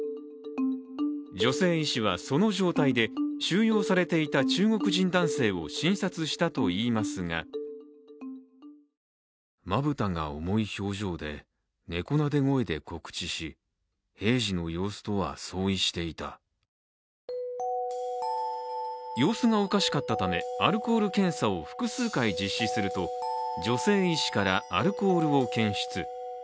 女性医師はその状態で収容されていた中国人男性を診察したといいますが様子がおかしかったため、アルコール検査を複数回実施すると女性医師からアルコールを検出。